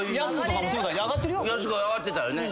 やす子上がってたよね。